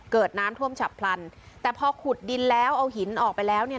เกิดน้ำท่วมฉับพลันแต่พอขุดดินแล้วเอาหินออกไปแล้วเนี่ย